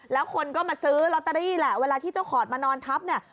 แล้วคนก็มาซื้อลอตเตอรี่แหละเวลาที่เจ้าขอดมานอนทับเนี่ย